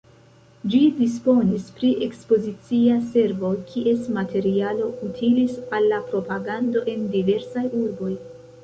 Ĝi disponis pri Ekspozicia Servo, kies materialo utilis al la propagando en diversaj urboj.